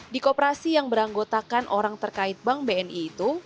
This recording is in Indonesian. di koperasi yang beranggotakan orang terkait bank bni itu